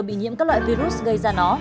bị nhiễm các loại virus gây ra nó